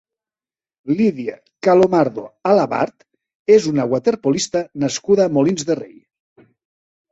Lídia Calomardo Alabart és una waterpolista nascuda a Molins de Rei.